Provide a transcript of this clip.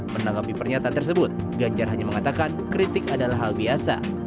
menanggapi pernyataan tersebut ganjar hanya mengatakan kritik adalah hal biasa